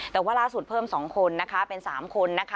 แต่ว่าล่าสุดเพิ่ม๒คนนะคะเป็น๓คนนะคะ